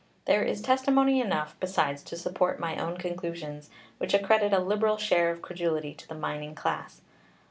There is testimony enough, besides, to support my own conclusions, which accredit a liberal share of credulity to the mining class.